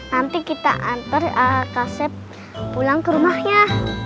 nanti kita antar kak sep pulang ke rumahnya